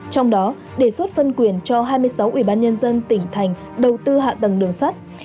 trong đó đề xuất phân quyền cho hai mươi sáu ubnd tỉnh thành đầu tư hạ tầng đường sắt